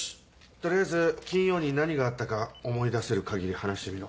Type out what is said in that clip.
取りあえず金曜に何があったか思い出せる限り話してみろ。